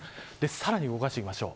さらに動かしてみます。